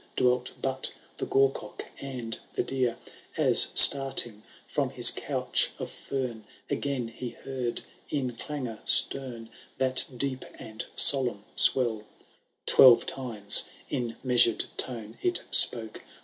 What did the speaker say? Dwelt but the gorcock and the deer :) As, starting from his couch of fern,* A^n he heard, in clangor stem. That deep and solemn swell,— Twelve times, in measured tone, it spoke.